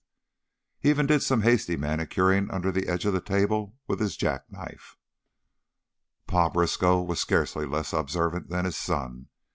He even did some hasty manicuring under the edge of the table with his jack knife. Pa Briskow was scarcely less observant than his son.